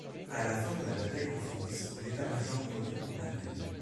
À la fin de la bataille de France, l'état-major retourne en Allemagne.